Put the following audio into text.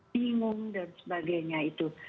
bingung dan sebagainya itu